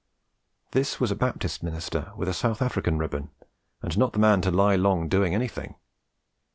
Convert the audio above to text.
(This was a Baptist minister with a South African ribbon, and not the man to lie long doing anything.)